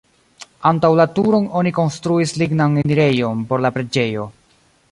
Antaŭ la turon oni konstruis lignan enirejon por la preĝejo.